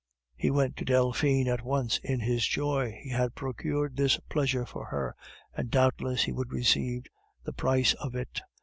He went to Delphine at once in his joy. He had procured this pleasure for her, and doubtless he would receive the price of it.